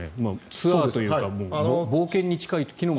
ツアーというかもう冒険に近い。